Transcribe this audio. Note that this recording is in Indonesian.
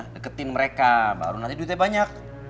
deketin mereka baru nanti duitnya banyak